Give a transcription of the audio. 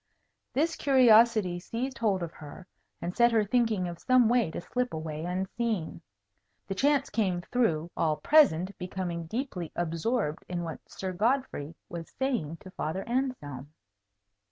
This curiosity seized hold of her and set her thinking of some way to slip away unseen. The chance came through all present becoming deeply absorbed in what Sir Godfrey was saying to Father Anselm.